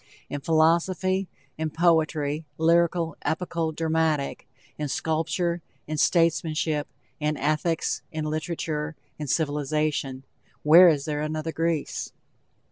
In philosophy, in poetry, lyrical, epical, dramatic, in sculpture, in statesmanship, in ethics, in literature, in civilization, where is there another Greece?